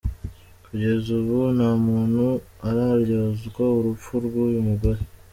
Kugeza ubu nta muntu uraryozwa urupfu rw’uyu mugore.